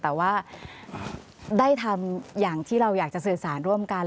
แต่ว่าได้ทำอย่างที่เราอยากจะสื่อสารร่วมกัน